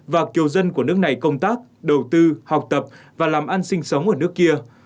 và kiều dân của nước này công tác đầu tư học tập và làm ăn sinh sống ở nước kia